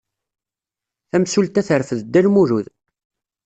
Tamsulta terfed Dda Lmulud.